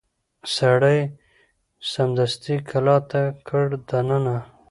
سړي سمدستي کلا ته کړ دننه